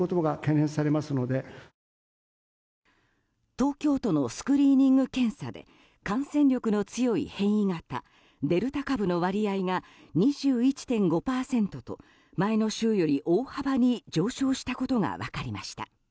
東京都のスクリーニング検査で感染力の強い変異型デルタ株の割合が２１．５％と前の週より大幅に上昇したことが分かりました。